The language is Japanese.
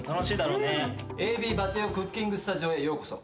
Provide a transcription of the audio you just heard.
クッキングスタジオへようこそ。